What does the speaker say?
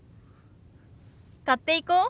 買っていこう。